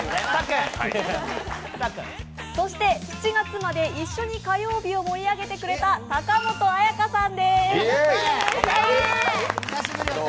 そして、７月まで一緒に火曜日を盛り上げてくれた高本彩花さんです。